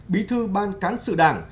bí thư ban cán sự đảng